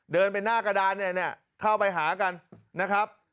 เดินไปหน้ากระดานเนี่ยเข้าไปหากันนะครับ